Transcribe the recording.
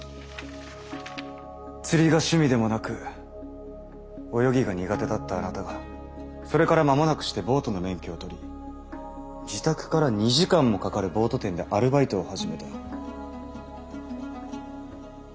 釣りが趣味でもなく泳ぎが苦手だったあなたがそれから間もなくしてボートの免許を取り自宅から２時間もかかるボート店でアルバイトを始めた。